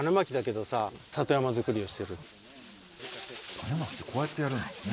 種まきってこうやってやるんですね。